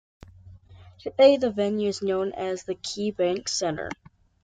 Today, the venue is known as the KeyBank Center.